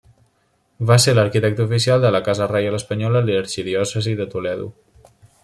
Va ser l'arquitecte oficial de la Casa Reial espanyola i de l'Arxidiòcesi de Toledo.